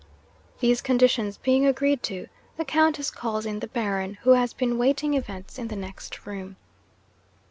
'These conditions being agreed to, the Countess calls in the Baron, who has been waiting events in the next room.